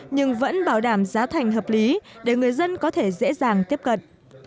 nhưng vẫn bảo đảm giá thành hợp lý để người dân có thể dễ dàng tiếp cận